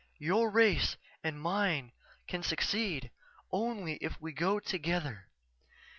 Your race and mine can succeed only if we go together.